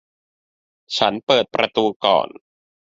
ฉันเปิดประตูก่อน